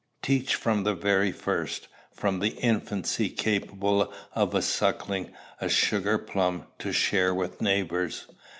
Teach from the very first, from the infancy capable of sucking a sugar plum, to share with neighbors.